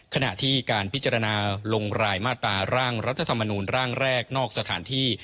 ขณะที่การพิจารณาลงรายมาตราร่างรัฐธรรมนูลร่างแรกนอกสถานที่